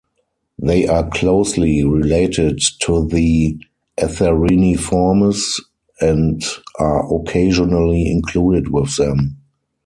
They are closely related to the Atheriniformes and are occasionally included with them.